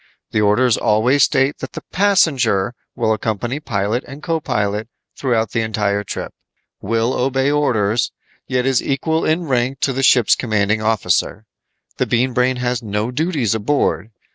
The orders always state that the 'passenger' will accompany pilot and co pilot throughout the entire trip, will obey orders, yet is equal in rank to the ship's commanding officer. The Bean Brain has no duties aboard.